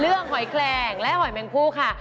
หอยแคลงและหอยแมงพู่ค่ะ